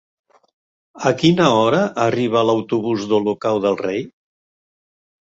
A quina hora arriba l'autobús d'Olocau del Rei?